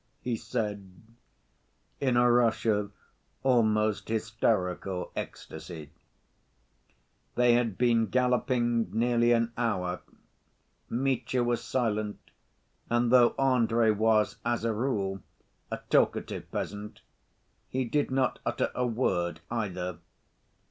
he said, in a rush of almost hysterical ecstasy. They had been galloping nearly an hour. Mitya was silent, and though Andrey was, as a rule, a talkative peasant, he did not utter a word, either.